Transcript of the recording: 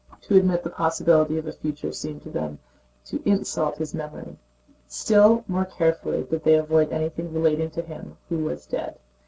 To admit the possibility of a future seemed to them to insult his memory. Still more carefully did they avoid anything relating to him who was dead.